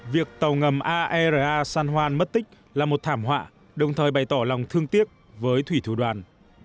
việc tàu ngầm aerea san juan mất tích là một thảm họa đồng thời bày tỏ lòng thương tiếc với thủy thủ đoàn